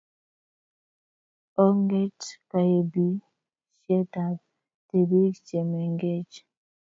Ongeet kaibisietab tibik che mengechen